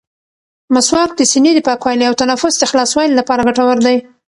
مسواک د سینې د پاکوالي او تنفس د خلاصوالي لپاره ګټور دی.